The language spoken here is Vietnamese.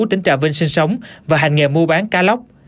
tỉnh trà vinh sinh sống và hành nghề mua bán cá lóc